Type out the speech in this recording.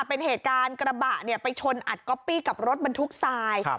เป็นเหตุการณ์กระบะไปชนอัดก๊อปปี้กับรถบรรทุกทราย